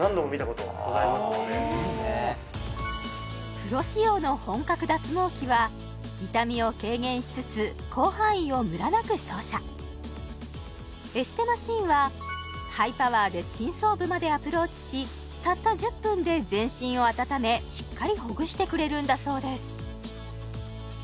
プロ仕様の本格脱毛器は痛みを軽減しつつ広範囲をムラなく照射エステマシンはハイパワーで深層部までアプローチしたった１０分で全身を温めしっかりほぐしてくれるんだそうです